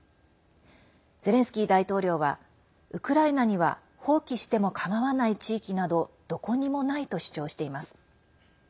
ゼレンスキー大統領はウクライナには放棄してもかまわない地域などどこにもないと主張しています。